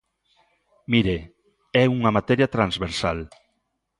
Mire, é unha materia transversal.